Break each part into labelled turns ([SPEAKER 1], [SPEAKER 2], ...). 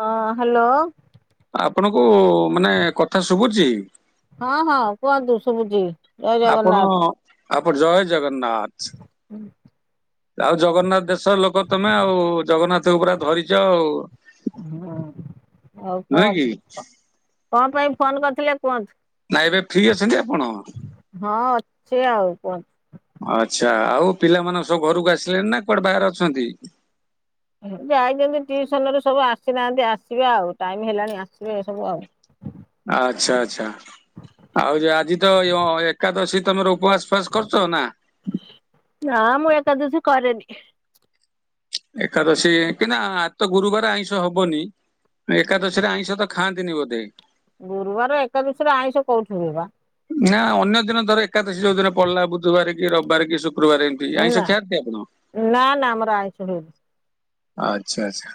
[SPEAKER 1] ହଁ ହ୍ୟାଲୋ
[SPEAKER 2] ଆପଣଙ୍କୁ ମାନେ କଥା ଶୁଭୁଛି
[SPEAKER 1] ହଁ ହଁ କୁହନ୍ତୁ ଶୁଭୁଛିି ଜୟ
[SPEAKER 2] ଆପଣ
[SPEAKER 1] ଜଗନ୍ନାଥ
[SPEAKER 2] ଆପଣ ଜୟ ଜଗନ୍ନାଥ ଆଉ ଜଗନ୍ନାଥ ଦେଶର ଲୋକ ତମେ ଆଉ ଜଗନ୍ନାଥ କୁ ପୁରା ଧରିଛ ଆଉ
[SPEAKER 1] ହଁ ଆଉ
[SPEAKER 2] ନୁହେଁ କି
[SPEAKER 1] କୁହନ୍ତୁ କଣ ପାଇଁ ଫୋନ କରିଥିଲେ କୁହନ୍ତୁ
[SPEAKER 2] ନା ଏବେ ଫ୍ରୀ ଆ
[SPEAKER 1] ହଁ ଅଛେ ଆଉ କ
[SPEAKER 2] ଆଚ୍ଛା ଆଉ ପିଲା ମାନେ ସବୁ ଘରକୁ ଆସିଲେଣି ନା କୁଆଡେ ବାହାରେ ଅଛନ୍ତି
[SPEAKER 1] ଯାଇଛନ୍ତି ଟିଉସନ ରୁ ସବୁ ଆସିନାହାନ୍ତି ଆସିବେ ଆଉ ଟାଇମ ହେଲାଣି ଆସିବେ ଏ ସବୁ ଆଉ
[SPEAKER 2] ଆଚ୍ଛା ଆଚଛା ଆଉ ଯୋଉ ଆଜି ତ ଏକାଦଶୀ ତମେ ର
[SPEAKER 1] ନା ମୁଁ ଏକାଦଶ କରେନି
[SPEAKER 2] ଏକାଦଶୀ କି ନା ଆ ତ ଗୁରୁବାର ଆଇଁଷ ହବନି ଏକାଦଶୀରେ ଆଇଁଷ ତ ଖାଆନ୍ତି ନ୍ତିନି ବୋଧେ
[SPEAKER 1] ଗୁରୁବାର ଏକାଦଶରେ ଆଇଁଷ କୋଉଠିବ ବା
[SPEAKER 2] ନା ଅନ୍ୟ ଦିନ ଧର ଏକାଦଶୀୋଉ ଦିନ ପଡିଲା ବୁଧବାର କି ରବିବାର କି ଶୁକ୍ ଗୁରୁବାରେ ଆଇଷ
[SPEAKER 1] ନା
[SPEAKER 2] ଖାଅନ୍ତି ଆପଣ
[SPEAKER 1] ନା ନା ଆମର ଆଇଁଷ ହୁଏନି।
[SPEAKER 2] ଆଚ୍ଛା ଆଚ୍ଛା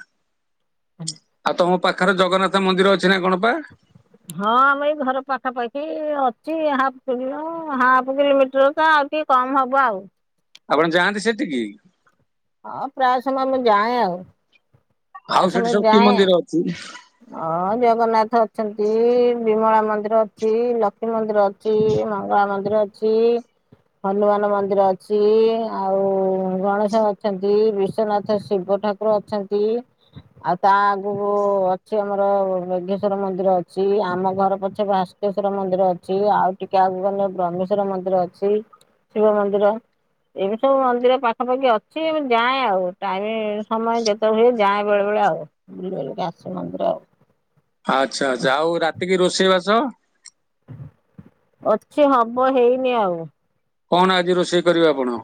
[SPEAKER 2] ଆଉ ତମ ପାଖରେ ଜଗନ୍ନାଥ ମନ୍ଦିର ଅଛି ନା କଣ ପା
[SPEAKER 1] ହଁ ଆମ ଏଇ ଘର ପାଖାପାଖି ଅଛି ହାପ୍ କିଲ ହାପ୍ କିଲୋମିଟର ତ ଟିକେ କମ ହବ ଆଉ
[SPEAKER 2] ଆପଣ ଯାଆନ୍ତି ସେଠିକି
[SPEAKER 1] ହଁ ପ୍ରାୟ ସମୟ ମୁଁ ଯାଏ ଆଉ
[SPEAKER 2] ଆଉ
[SPEAKER 1] ପ୍ରାୟ
[SPEAKER 2] ସେଠି
[SPEAKER 1] ସମୟ
[SPEAKER 2] ସବୁ କି
[SPEAKER 1] ଯାଏ
[SPEAKER 2] ମନ୍ଦିର ଅଛି?
[SPEAKER 1] ହଁ ଜଗନ୍ନାଥ ଅଛନ୍ତି ବିମଳା ମନ୍ଦିର ଅଛି ଲକ୍ଷ୍ମୀ ମନ୍ଦିର ଅଛି ମଙ୍ଗଳା ମନ୍ଦିର ଅଛି ହନୁମାନ ମନ୍ଦିର ଅଛି ଆଉ ଗଣେଶ ଅଛନ୍ତି ବିଶ୍ଵନାଥ ଶିବ ଠାକୁର ଅଛନ୍ତି ଆଉ ତା ଆଗରୁ ଅଛି ଆମର ମେଘେଶ୍ଵର ମନ୍ଦିର ଅଛି, ଆମ ଘର ପଛରେ ଭାସ୍କେଶ୍ଵର ମନ୍ଦିର ଅଛି, ଆଉ ଟିକେ ଆଗ ବ୍ରହ୍ମେଶ୍ଵର ମନ୍ଦିର ଅଛି, ଶିବ ମନ୍ଦିର ଏମିତି ସବୁ ମନ୍ଦିର ପାଖାପାଖି ଅ ଠିକ ମୁଁ ଯାଏ ଆଉ ଟାଇମ ସମୟ ଯେତେ ହୁଏ ଯାଏ ବେଳେ ବେଳେ ଆଉ ବୁଲି ବୁଲିକି ଆସେ ମନ୍ଦିର ଆଉ
[SPEAKER 2] ଆଚ୍ଛା ଆଚ୍ଛା ଆଉ ରାତିକି ରୋଷେଇବାସ
[SPEAKER 1] ଅଛି ହବ ହେଇନି ଆଉ
[SPEAKER 2] କଣ ଆଜି ରୋଷେଇ କରିବେ ଆପଣ?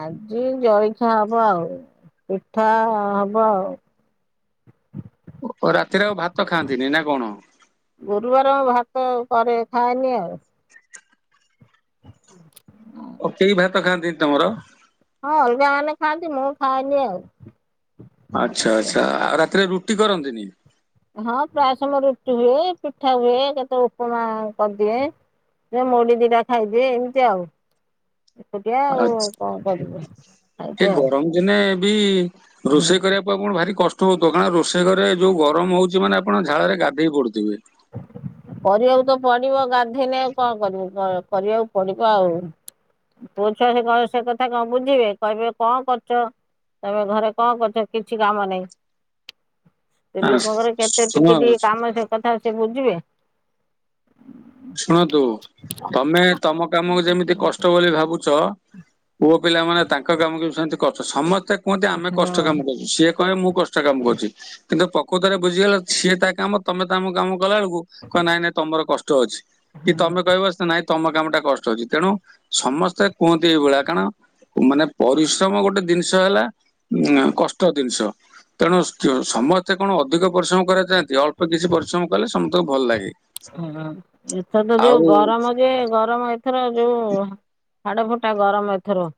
[SPEAKER 1] ଆଜି ଜଳଖିଆ ହବ ଆଉ ପିଠା ହବ ଆଉ
[SPEAKER 2] ରାତିରେ ଆଉ ଭାତ ଖାଆନ୍ତିନି ନା କଣ?
[SPEAKER 1] ତ ପରେ ଥାଏନି ଆଉ
[SPEAKER 2] ଆଉ କେହି ଭାତ ଖାଆନ୍ତିନି ତମର
[SPEAKER 1] ହଁ ଅଲଗା ମାନେ ଖାଆନ୍ତି, ମୁଁ ଖାଏନି ଆଉ
[SPEAKER 2] ଆଚ୍ଛା ଆଚ୍ଛା ଆଉ ରାତିରେ ରୁଟି କରନ୍ତିନି?
[SPEAKER 1] ହଁ ପ୍ରାୟ ସମୟ ରୁଟି ହୁଏ ପିଠା ହୁଏ କେତେ ଉପମା କରିଦିଏ ସେ ମୁଡି ଦିଟା ଖାଇଦିଏ ଏମିତି ଆଉଆ ଆଉଉ
[SPEAKER 2] ଆଚ୍ଛା
[SPEAKER 1] କଣ କରିବି?
[SPEAKER 2] ଏ
[SPEAKER 1] ଖାଇଦିଏ ଆଉ।
[SPEAKER 2] ଗରମ ଦିନେ ବି ରୋଷେଇ କରିବା ପାଇଁ ପଣ ଭାରି କଷ୍ଟ। କାରଣ ରୋଷେଇ ଘରେ ଯୋଉ ଗରମ ହଉଛି ମାନେ ଆପଣ ମାନେ ଝାଳରେ ଗାଧୋଇ ପଡୁଥିବେ।
[SPEAKER 1] କରିବାକୁ ତ ପଡିବ ଗାଧୋଇଲେଉ କଣ କରିବୁ। କରିବାକୁ ପଡିବ ଆଉ। ପୁରୁଷ ସେ କଣ ସେ କଥା କଣ ବୁଝିବେ, କହିବେ କଣ କରୁଛ? ତମେ ଘରେ କଣ କରୁଛ କିଛି କାମ ନାଇଁ। ସେ
[SPEAKER 2] ହଁ
[SPEAKER 1] ଲୋକଙ୍କର କେତେ
[SPEAKER 2] ଶୁଣ
[SPEAKER 1] ଟିକେ ଟିକେ କାମ ସେ କଥା ସେ ବୁଝିବେ।
[SPEAKER 2] ଶୁଣନ୍ତୁ ତମେ ତମ କାମକୁ ଯେମିତି
[SPEAKER 1] ହଁ
[SPEAKER 2] କଷ୍ଟ ବୋଲି ଭାବୁଛ ପୁ ପିଲାମାନେ ତାଙ୍କ କାମକୁ ବି ସେମିତି କଷ୍ଟ ସମସ୍ତେ କୁହନ୍ତି ଆମେ କଷ୍ଟ କାମ କରୁଛୁ ସିଏ କହିବେ ମୁଁ କଷ୍ଟ କାମ କରୁଛି କିନ୍ତୁ ପ୍ରକୃତରେ ବୁଝିଗଲା ସିଏ ତା କାମ ତମେ ତମ କାମ କଲା ବେଳକୁ କହ ନାଇଁ ନାଇଁ ତମର କଷ୍ଟ ଅଛି କି ତମେ
[SPEAKER 1] ହଁ।
[SPEAKER 2] କହିବ ନାଇଁ ତମ କାମ ଟା କଷ୍ଟ ଅଛି ତେଣୁ ସମସ୍ତେ କୁହନ୍ତି ଏଇଭଳିଆ କାରଣ ମାନେ ପରିଶ୍ରମ ଗୋଟେ ଜିନିଷ ହେଲା କଷ୍ଟ ଜିନିଷ ତେଣୁ ସମସ୍ତେ କଣ ଅଧିକ ପରିଶ୍ରମ କରାଯାଆନ୍ତି ଅଳ୍ପ କିଛି ପରିଶ୍ରମ କଲେ ସମସ୍ତଙ୍କୁ ଭଲ ଲାଗେ।
[SPEAKER 1] ହଁ ଏଥର ତ ଯୋଉ
[SPEAKER 2] ଆଉ
[SPEAKER 1] ଗରମ ଯେ ଗରମ ଏଥର ଯୋଉ ହାଡ ଫୁଟା ଗରମ ଏଥର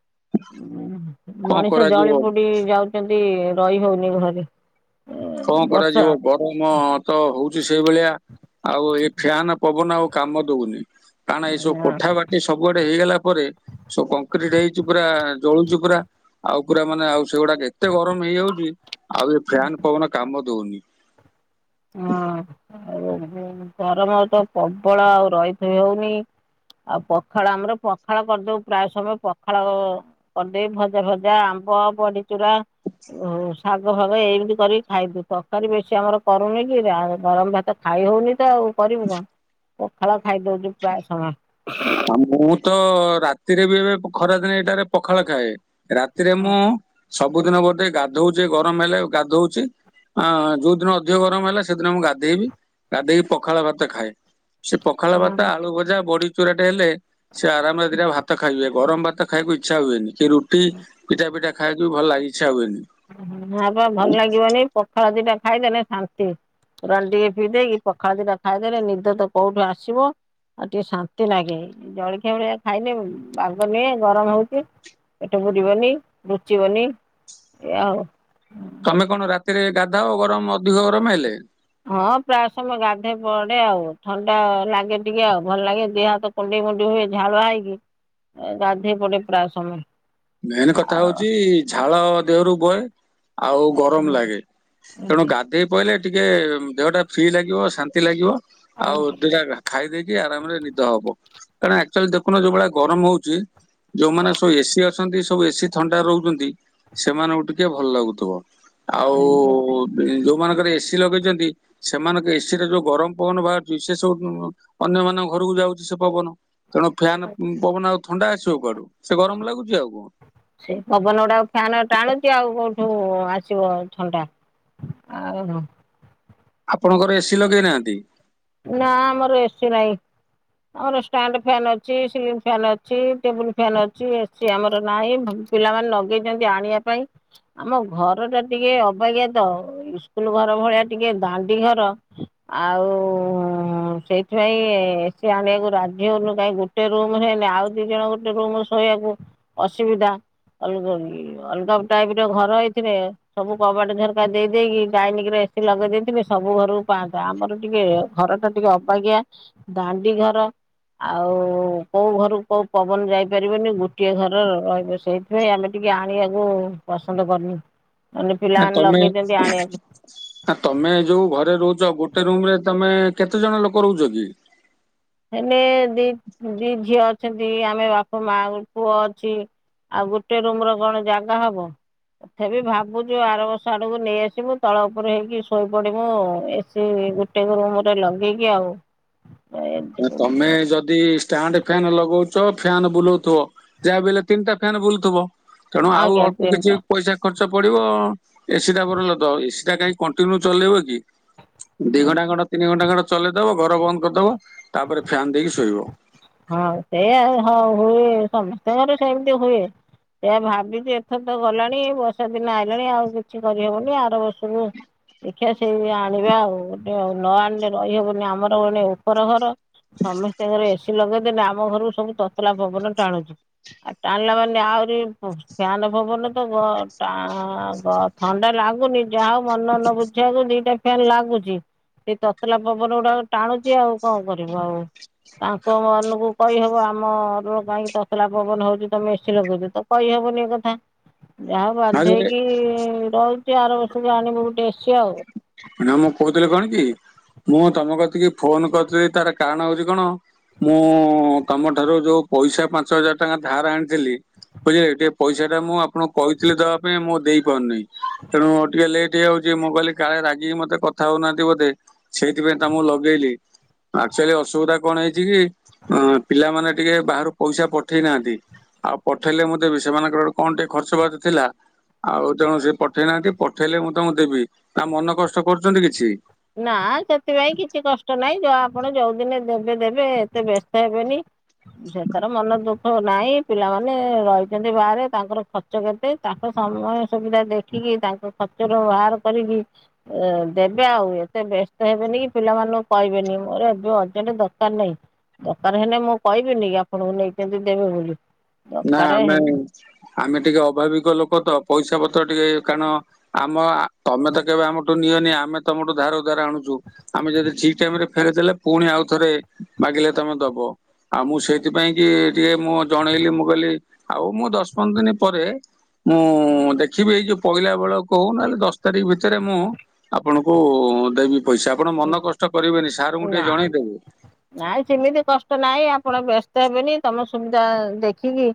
[SPEAKER 2] କଣ
[SPEAKER 1] ମଣିଷ
[SPEAKER 2] କରାଯିବ
[SPEAKER 1] ଜଳି ପୋଡି ଯାଉଛନ୍ତି ରହି ହଉନି ଘରେ
[SPEAKER 2] କଣ
[SPEAKER 1] ବର୍ଷା
[SPEAKER 2] କରାଯିବ ଗରମ ତ ହଉଛି, ସେଇଭଳିଆ ଆଉ ଏଇ ଫ୍ୟାାନ ପବନ ଆଉ କାମ ଦଉନି। କାରଣ ଏଇ ସବୁ
[SPEAKER 1] ହଁ।
[SPEAKER 2] କୋଠା ବାଟି ସବୁଆଡେ ହେଇଗଲା, ପରେ ସବୁ କଂକ୍ରିଟ ହେଇଛି ପୁରା ଜଳୁଛିୁ ପୁରା। ଆଉ ପୁରା ମାନେ ଆଉ ସେଗୁଡାକ ଏତେ ଗରମ ହେଇଯାଉଛି, ଆଉ ଏ ଫ୍ୟାନ ପବନ କାମ ଦଉନି।
[SPEAKER 1] ହଁ ଆଉ ଗରମ ତ ପ୍ରବଳ ଆଉ ରହିଥୋଇ ହଉନି । ଆଉ ପଖାଳ ଆମର ପଖାଳ କରିଦଉ, ପ୍ରାୟ ସମୟ ପଖାଳ କରିଦେଇ ଭଜା ଭଜା ବ ବଡିଚୁରା ଶାଗ ଫାଗ ଏଇମିତି କରିକି ଖାଇଦୁ ତରକାରୀ ବେଶୀ ଆମର କରୁନି କି ଗରମ ଭାତ ଖାଇ ହଉନି ତ ଆଉ କରିବୁ କଣ ପଖାଳ ଖାଇଦଉଛିୁ ପ୍ରାୟ ସମୟ
[SPEAKER 2] ଆ ମୁଁ ତ ରାତିରେ ବି ଏବେ ଖରାଦିନେ ଏଇଟାରେ ପଖାଳ ଖାଏ। ରାତିରେ ମୁଁ ସବୁଦିନ ଗୋଟେ ଗାଧୋଉଛି, ଗରମ ହେଲେ ଗାଧୋଉଛି। ଅ ଯୋଉ ଦିନ ଅଧିକ ଗରମ ହେଲା ସେଦିନ ମୁଁ ଗାଧେଇବି, ଗାଧେଇକି ପଖାଳ ଭାତ ଖାଏ। ସେ ପଖାଳ ଭାତା ଆଳୁ ଭଜା ବଡି ଚୁରାଟେ ହେଲେ, ସେ ଆରାମ ରେ ଦିନ ଭାତ ଖାଇବ। ଗରମ ଭାତ ଖାଇବାକୁ ଇଛା ହୁଏନି କି ରୁଟି ପିଟା ପିଟା ଖାଇବାକୁ ଭଲ ଲାଗ ଇଚ୍ଛା ହୁଏନି।
[SPEAKER 1] ହପ ଭଲ ଲାଗିବନି ପଖରା ଦିଟା ଖାଇଦେଲେ ଶାନ୍ତି। ଟିକେ ପିଇ ଦେଇକି ପଖାଳ ଦିଟା ଖାଇଦେଲେ ନିଦ ତ କୋଉଠୁ ଆସିବ। ଆଉ ଟିକେ ଶାନ୍ତି ଲାଗେ ଜଳଖିଆ ଭଳିଆ ଖାଇଲେ ପାଗ ନୁହେଁ ଗରମ ହଉଛି। ପେଟ ପୁରିବନି ରୁଚିବନି ଏମିତି ଆଉ।
[SPEAKER 2] ତମେ କଣ ରାତିରେ ଗାଧାଅ ଗରମ ଅଧିକ ଗରମ ହେଲେ
[SPEAKER 1] ହଁ ପ୍ରାୟ ସମୟ ଗାଧେ ପଡେ ଆଉ ଥଣ୍ଡା ଲାଗେ ଟିକେ ଆଉ ଭଲ ଲାଗେ ଦେ ହାତ କୁଡି ଡି ହୁଏ ଝାଳୁ ହେଇକି ଗାଧେଇ ପଡେ ପ୍ରାୟ ସମୟରେ।
[SPEAKER 2] ମେନ କଥା ହଉଛି ଝାଳ ଦେହରୁ ବୁଏ। ଆଉ ଗରମ ଲାଗେ ତେଣୁ ଗାଧେଇ ପଇଲେ ଟିକେ ଦେହ ଟା ଫ୍ରି ଲାଗିବ ଶାନ୍ତି ଲାଗିବ। ଆଉ ଦୁଟା ଖାଇ ଦେଇେଇକି ଆରାମରେ ନିଦ ହବ। କାରଣ ଆକ୍ଚୁଆଲି ଦେଖୁନ ଯୋଉ ଭଳିଆ ଗରମ ହଉଛି ଯୋଉମାନେ ସବୁ ଏସି ସବୁ ଏସିି ଥଣ୍ଡା ରହୁଛନ୍ତି ସେମାନଙ୍କୁ ଟିକେ ଭଲ ଲାଗୁଥିବ। ଆଉ ଯୋଉ ମାନଙ୍କର ଏସି ଲଗେଇଛନ୍ତି ସେମାନଙ୍କ ଏସିରେ ଯୋଉ ଗରମ ପବନ ବାହାରୁଛି ସେ ସବୁ ଅନ୍ୟମାନଙ୍କ ରକୁ ଯାଉଛି ସେ ପବନ ତେଣୁ ଫ୍ୟାନ୍ ପବନ ଆଉ ଥଣ୍ଡା ଆସିବ କୁଆଡୁ ସେ ଗରମ ଲାଗୁଛି ଆଉ କଣ
[SPEAKER 1] ସେ ପବନ ଗୁଡାକ ଫ୍ୟାନ ଟାଣୁଛି ଆଉ କୋଉଠୁ ଆସିବ ଆଉ ଥଣ୍ଡା ଓହୋ।
[SPEAKER 2] ଆପଣଙ୍କର ଏସି ଲଗେଇନାହାନ୍ତି?
[SPEAKER 1] ନା ଆମର ଏସି ନାଇଁ। ଆମର ଷ୍ଟାଣ୍ଡ ଫାନ ଅଛି ସିଲ ଫନ୍ ଅଛି ଟେବୁଲ ଫାନ ଅଛି ଏସି ଆମର ନାହିଁ। ପିଲାମାନୋନ ଲଗେଇଛନ୍ତି ଆଣିବା ପାଇଁ ଆମ ଘର ଟା ଟିକେ ଅବାଜ୍ଞା ତ ଇକୁଲ ଘର ଭଳିଆ ଟିକେ ଦାଣ୍ଡି ଘର ଆଉ ସେଇଥିପାଇଁ ଏସି ଆଣିବାକୁ ରାଜି ହଉନୁ କାଇଁ ଗୋଟେ ରୁମ ହେନି ଆଉ ଦି ଜଣ ଗୋଟେ ରୁମ ଶୋଇବା। ଅସୁବିଧା। ଅଲଗ ଅଲଗାପ ଟାଇପ ର ଘର ଏଇଥିରେ ସବୁ କବାଟ ଝରକା ଦେଇ ଦେଇେଇକି ଡାଇନିଙ୍ଗ୍ ରେ। ବେଶୀ ଲଗେଇ ଦେଇେଇଥିଲି ସବୁ ଘରକୁ ପାଆନ୍ତା ଆମର ଟିକେ ଘର ଟା ଟିକେ ଅବାାକିୟା ଦାଣ୍ଡି ଘର ଆଉ କୋଉ ଘର କୋଉ ପବନ ଯାଇପାରିବନି ଗୋଟିଏ ଘର ରହିବ ସେଇଥିପାଇଁ ଆମେ ଟିକେ ଆଣିବାକୁ ପସନ୍ଦ କରୁନୁ। ମାନେ
[SPEAKER 2] ଆ
[SPEAKER 1] ପିଲାମାନେ
[SPEAKER 2] ତମେ
[SPEAKER 1] ଲଗେଇଛନ୍ତି ଆଣିବାକୁ
[SPEAKER 2] ତମେ ଯୋଉ ଘରେ ରହୁଛ ଗୋ ଗୋଟେ ରୁମରେ ତମେ କେତେ ଜଣ ଲୋକ ରହୁଛ କି
[SPEAKER 1] ହେଲେେ ଦି ଦି ଝିଅ ଅ ଅଛନ୍ତି ଆମେ ବାପା ମା ପୁଅ ଅଛି ଆଉ ଗୋଟେ ରୁମ ର କଣ ଜାଗା ହବ? ତଥାପି ଭାବୁଛୁ ଆର ବର୍ଷ ଆଡକୁ ନେଇ ଆସିବୁ ତଳ ଉପରେ ହେଇକି ଶୋଇ ପଡିବୁ ଏସି ଗୋଟେ ରୁମରେ ଲଗେଇକି ଆଉ
[SPEAKER 2] ତମେ ଯଦି ଷ୍ଟାଣ୍ଡ୍ ଫ୍ୟାନ ଲଗଉଛ ଫ୍ୟାନ୍ ବୁଲଉଥିବ ଯାହା ବି ହେଲେ ତିନିଟା ଫ୍ୟାନ୍ ବୁଲୁଥିବ। ତେଣୁ ଆଉ
[SPEAKER 1] ଆଜ୍ଞା
[SPEAKER 2] ଅଳ୍ପ କିଛି
[SPEAKER 1] ତିନିଟା
[SPEAKER 2] ପଇସା ଖର୍ଚ୍ଚ। ଖର୍ଚ ପଡିବ ଏସି ଟା ଭଲ ତ ଏସି ଟା କାଇହିଁ କଣ୍ଟିନ୍ୟୁ ଚଲେଇବ କି? ଦି ଘଣ୍ଟା କଣ ତିନି ଘଣ୍ଟା ଖଣ୍ଟା ଚଲେଇଦବ ଘର ବନ୍ଦ କରିଦବ ତାପରେ ଫ୍ୟନ୍ ଦେଇକି ଶୋଇବ।
[SPEAKER 1] କ ତଙ୍କର ସେ ଏମିତି ହୁଏ। ସେ ଭାବିଛି ଏଥର ତ ଗଲାଣି ବର୍ଷା ଦିନ ଆଇଲାଣି ଆଉ କିଛି କରିହବନି ଆର ବର୍ଷରୁ। ଦେଖିବା ସେଇ ଆଣିବା ଆଉ ଗୋଟେ ଆଉ ନ ଆଣିଲେ ରହିହବନି ଆମର ଗୋଟେ ଉପର ଘର। ସମସ୍ତଙ୍କର ଏସିି ଲଗେଇଦେଲେ ଆମ ଘରକୁ ସବୁ ତତଲା ପବନ ଟାଣୁଛି ଆଉ ଟାଣିଲା ମାନେ ଆହୁରି ଫାନ ଭବନ ତ ଥଣ୍ଡା ଲାଗ ଆାଗୁନି ଯା ହଉ ମନ ନ ବୁଝିବାକୁ ଦିଟା ଫ୍ୟାନ୍ ଲାଗୁଛି। ସେ ତତଲା ପବନ ଗୁଡା ଟାଣୁଛି ଆଉ କଣ କରିବୁ ଆଉ ତୋ ମନକୁ କହିହବ ଆମ କାହିଁକି ତସଲା ପବନ ହଉଛି ତ ଏସିି ଲଗୁଛ ତ କହିହବନି ଏ କଥା। ହେ, ଯାହା
[SPEAKER 2] ନହେଲେ
[SPEAKER 1] ବାଧେଇକି ରହୁଚି। ଆର ବର୍ଷକୁ ଆଣିବୁ ଗୁଟେ
[SPEAKER 2] ନା ମୁଁ କହୁଥିଲି କଣ କି? ମୁଁ ତୋମ କତିକି ଫୋନ୍ କରିଥିଲି ତାର କାରଣ ହଉଚି କଣ ମୁଁ ତୋମଠାରୁ ଯୋଉ ପଇସା ପାଞ୍ଚ ହଜାର ଟଙ୍କା ଧାର ଆଣିଥିଲି। ବୁଝିଲେ ଟିକେ ପଇସା ଟା ମୁଁ ଆପଣଙ୍କୁ କହିଥିଲି ଦବା ପାଇଁ ମୁଁ ଦେଇ ପାରୁନେଇ। ତେଣୁ ଟିକେ ଲେଟ୍ ହେଇଯାଉଚି। କି ମୁଁ କହିଲି କାଳେ ରାଗିିକି ମୋତେ କଥା ହଉନାହାନ୍ତି ବୋଧେ। ସେଇଥିପାଇଁ ତ ମୁଁ ଲଗେଇଲି। ଆକ୍ଚୁଲି ଅସୁବିଧା କଣ ହେଇଚି କି ଅଁ ପିଲାମାନେ ଟିକେ ବାହାରୁ ପଇସା ପଠେଇ ନାହାନ୍ତି। ଆଉ ପଠେଇଲେ ମୁଁ ଦେବି। ସେମାନଙ୍କର ଗୋଟେ କଣ ଟିକେ ଖର୍ଚ୍ଚ ବାଚ ଥିଲା। ଆଉ ତେଣୁ ସେ ପଠେଇ ନାହାନ୍ତି। ପଠେଇଲେ ମୁଁ ତୋମକୁ ଦେବି। ତା ମନ କଷ୍ଟ କରୁଚନ୍ତି କିଛି?
[SPEAKER 1] ନା ସେଥିପାଇଁ କିଛି କଷ୍ଟ ନାହିଁ। ଯ ଆପଣ ଯୋଉଦିନେ ଦେବେ ଦେବେ ଏତେ ବ୍ୟସ୍ତ ହେବେନି। ସେ ତାର ମନ ଦୁଃଖ ନାହିଁ ପିଲାମାନେ ରହିଛନ୍ତି ବାହାରେ ତାଙ୍କର ଖର୍ଚ୍ଚ କେତେ ତାଙ୍କ ସମୟ ସୁବିଧା ଦେଖିକି ତାଙ୍କ ଖର୍ଚ୍ଚର ବାହାର କରିକି ଆ ଦେବେ ଆଉ ଏତେ ବ୍ୟସ୍ତ ହେବେନି କି ପିଲାମାନଙ୍କୁ କହିବେନି ମୋର ଏବେ ଅରଜେଣ୍ଟ ଦରକାର ନାହିଁ ଦରକାର ହେଲେ ମୁଁ କହିବିନି କି ଆପଣଙ୍କୁ ନେଇଛନ୍ତି ଦେବେ ବୋଲି
[SPEAKER 2] ନା
[SPEAKER 1] ଦରକାର
[SPEAKER 2] ଆମେ
[SPEAKER 1] ହେଲେ
[SPEAKER 2] ଆମେ ଟିକେ ଅଭାବିକ ଲୋକ ତ ପଇସା ପତ୍ର ଟିକେ କାରଣ ଆମ ତମେ ତ କେବେ ଆମଠୁ ନିଅନି ଆମେ ତମଠୁ ଧାର ଉଧାର ଆଣୁଛୁ। ଆମେ ଯଦି ଠିକ ଟାଇମରେ ଫେରେଇଦେଲେ ପୁଣି ଆଉ ଥରେ ମାଗିଲେ ତମେ ଦବ। ଆଉ ମୁଁ ସେଇଥିପାଇଁ କି ଟିକେ ମୁଁ ଜଣେଇଲି ମୁଁ କହଲି ଆଉ ମୁଁ ଦଶ ପନ୍ଦର ଦିନ ପରେ ମୁଁ ଦେଖିବି ଏଇ ଯୋଉ ପହିଲା ବେଳକୁ ନହେଲେ ଦଶ ତାରିଖ ଭିତରେ ମୁଁ ଆପଣଙ୍କୁ ଦେବି ପଇସା। ଆପଣ ମନ କଷ୍ଟ କରିବେନି ସାର ଙ୍କୁ ଟିକେ
[SPEAKER 1] ନା
[SPEAKER 2] ଜଣେଇଦେବେ।
[SPEAKER 1] ନାଇଁ ସେମିତି କଷ୍ଟ ନାହିଁ ଆପଣ ବ୍ୟସ୍ତ ହେବେନି ତମ ସୁବିଧା ଦେଖିକି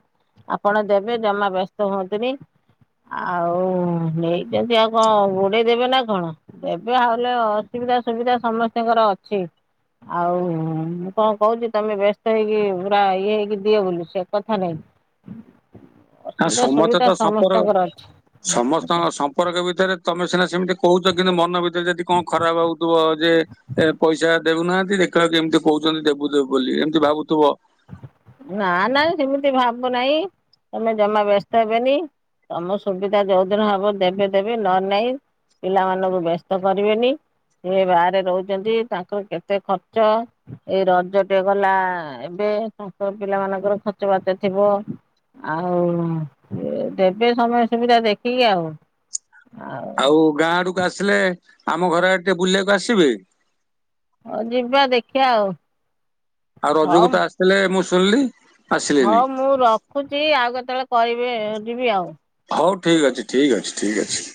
[SPEAKER 1] ଆପଣ ଦେବେ ଜମା ବ୍ୟସ୍ତ ହୁଅନ୍ତୁନି। ଆଉ ନେଇଚନ୍ତି ଆଉ କଣ ଘୋଡେଇ ଦେବେ ନା କଣ ଦେବେ ହାଉଲେ ଅ ସୁବିଧା ସୁବିଧା ସମସ୍ତଙ୍କର ଅଛି ଆଉ ହୁଁ ମୁଁ କଣ କହୁଚି ତମେ ବ୍ୟସ୍ତ ହେଇକି ପୁରା ଇଏ ହେଇକି ଦିଅ ବୋଲି। ସେ କଥା ନାଇଁ
[SPEAKER 2] [inaudible] ହ
[SPEAKER 1] ଅସୁବିଧା
[SPEAKER 2] ସମସ୍ତେ
[SPEAKER 1] ସୁବିଧା
[SPEAKER 2] ତ ସମ୍ପର୍କ
[SPEAKER 1] ସମସ୍ତଙ୍କର ଅଛି।
[SPEAKER 2] ସମସ୍ତଙ୍କ ସମ୍ପର୍କ ଭିତରେ ତମେ ସିନା ସେମିତି କହୁଚ କିନ୍ତୁ ମନ ଭିତରେ ଯଦି କଣ ଖରାପ ଭାବୁଥିବ ଯେ ଏ ପଇସା ଦେଉନାହାନ୍ତି ଦେଖିଲା ବେଳକୁ ଏମିତି କହୁଛନ୍ତି ଦେବୁ ଦେବୁ ବୋଲି ଏମିତି ଭାବୁଥିବ
[SPEAKER 1] ନା ନା ସେମିତି ଭାବୁନାହିଁ। ତମେ ଜମା ବ୍ୟସ୍ତ ହେବେନି ତମ ସୁବିଧା ଯୋଉଦିନ ହବ ଦେବେ ଦେବେ ନ ଲେ ନାଇଁ ପିଲାମାନଙ୍କୁ ବ୍ୟସ୍ତ କରିବେନି। ଏ ବାହାରେ ରହୁଛନ୍ତି ତାଙ୍କର କେତେ ଖର୍ଚ୍ଚ ଏଇ ରଜ ଟେ ଗଲା ଏ ବେ ତାଙ୍କ ପିଲା ମାନଙ୍କର ଖର୍ଚ୍ଚ ବାର୍ଚ ଥିବ ଆଉ ଦେବେ ସମୟ ସୁବିଧା ଦେଖିକି ଆଉ।
[SPEAKER 2] ଆଉ ଗାଁ ଆଡକୁ ଆସିଲେ ଆମ ଘର ଆଡେ ଟିକେ ବୁଲିବାକୁ ଆସିବି।
[SPEAKER 1] ହଉ ଯିବା ଦେଖିବା ଆଉ।
[SPEAKER 2] ଆଉ ରଜକୁ ତ ଆସିଥିଲେ ମୁଁ ଶୁଣିଲି।
[SPEAKER 1] ହଁ
[SPEAKER 2] ଆସିଲେନି
[SPEAKER 1] ମୁଁ ରଖୁଛି ଆଉ କେତେବେଳେ କରିବେ ଯିବି ଆଉ।
[SPEAKER 2] ହଉ ଠିକ୍ ଅଛି ଠିକ୍ ଅଛି ଠିକ୍ ଅଛି।